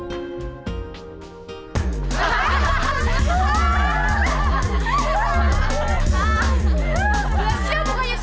iya sebelum menginjau gasnyathropis